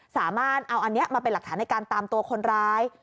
สามารถเอาอันนี้มาเป็นหลักฐานในการตามตัวคนร้าย